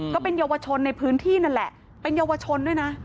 ก็เป็นเยาวชนในพื้นที่นั่นแหละเป็นเยาวชนด้วยนะ